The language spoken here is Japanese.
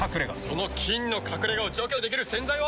その菌の隠れ家を除去できる洗剤は。